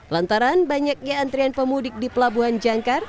lantaran banyaknya antrian pemudik di pelabuhan jangkar